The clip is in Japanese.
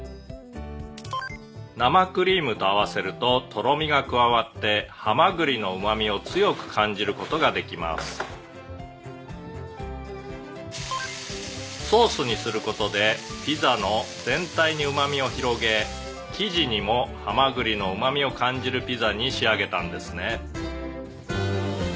「生クリームと合わせるととろみが加わってハマグリのうまみを強く感じる事ができます」「ソースにする事でピザの全体にうまみを広げ生地にもハマグリのうまみを感じるピザに仕上げたんですね」